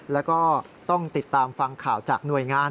แล้วก็ต้องติดตามฟังข่าวจากหน่วยงาน